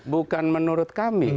bukan menurut kami